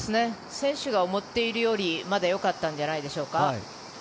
選手が思っているよりまだよかったんじゃないんでしょうか。